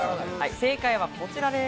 正解はこちらです。